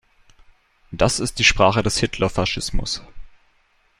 Das ist die Sprache des Hitler-Faschismus!